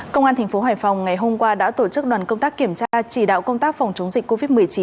công an tp hcm ngày hôm qua đã tổ chức đoàn công tác kiểm tra chỉ đạo công tác phòng chống dịch covid một mươi chín